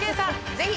ぜひ。